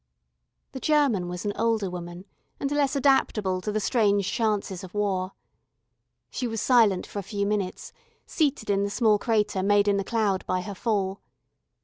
The German was an older woman, and less adaptable to the strange chances of War. She was silent for a few minutes, seated in the small crater made in the cloud by her fall.